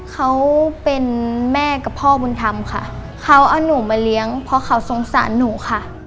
เขาเป็นแม่กับพ่อบุญธรรมค่ะเขาเอาหนูมาเลี้ยงเพราะเขาสงสารหนูค่ะ